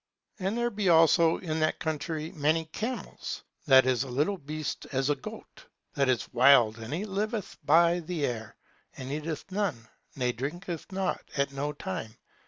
And there be also in that country many camles; that is a little beast as a goat, that is wild, and he liveth by the air and eateth nought, ne drinketh nought, at no time.